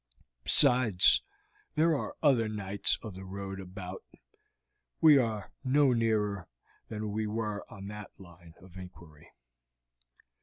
Besides, there are other knights of the road about, so we are no nearer than we were on that line of inquiry."